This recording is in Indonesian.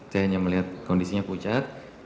saya hanya melihat kondisinya pucat